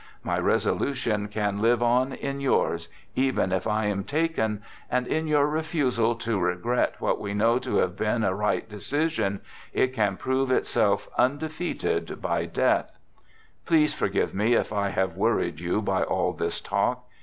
My resolution can live on in yours, even if I am taken, and, in your refusal to regret what we know to have been a right decision, it can prove itself undefeated by death. Please forgive me if I have worried you by all this talk.